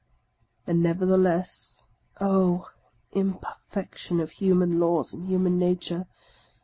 And nevertheless, oh, — imperfection of human laws and human nature